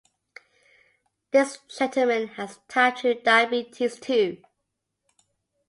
This gentleman has type-two diabetes too.